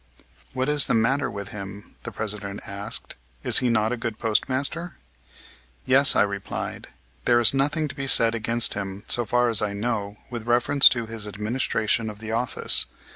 "What is the matter with him?" the President asked. "Is he not a good postmaster?" "Yes," I replied, "there is nothing to be said against him, so far as I know, with reference to his administration of the office.